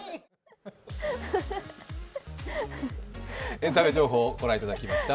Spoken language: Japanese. エンタメ情報をご覧いただきました。